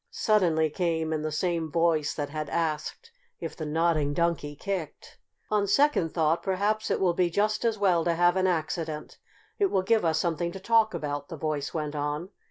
suddenly came in the same voice that had asked if the Nodding Donkey kicked. "On second thought perhaps it will be just as well to have an accident. It will give us something to talk about," the voice went on.